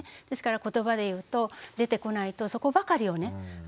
ですからことばで言うと出てこないとそこばかりをね